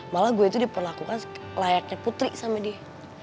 malah gue itu diperlakukan layaknya putri sama dia